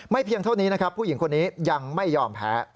เพียงเท่านี้นะครับผู้หญิงคนนี้ยังไม่ยอมแพ้